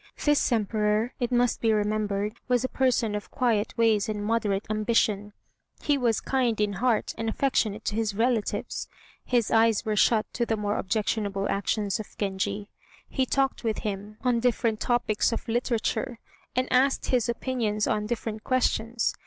This Emperor, it must be remembered, was a person of quiet ways and moderate ambition. He was kind in heart, and affectionate to his relatives. His eyes were shut to the more objectionable actions of Genji. He talked with him on different topics of literature, and asked his opinions on different questions.